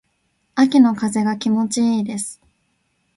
秋の風が気持ち良いです。